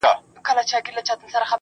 څومره مهر دې تړلی په ګل تار دی